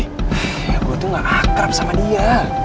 eh ya gue tuh gak akrab sama dia